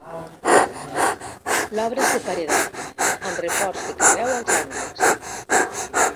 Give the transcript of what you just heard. L'obra és de paredat, amb reforç de carreu als angles.